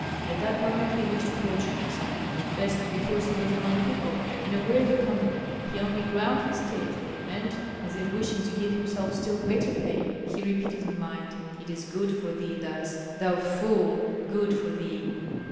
At that moment he wished to torture himself; but because he was among people, in a worthy company, he only ground his teeth, and as if wishing to give himself still greater pain, he repeated in mind: "It is good for thee thus, thou fool! good for thee!"